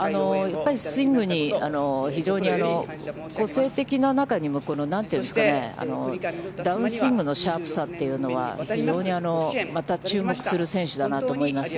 やっぱりスイングに非常に個性的な中にも、何ていうんですかね、ダウンスイングのシャープさというのは、非常にまた注目する選手だなと思います。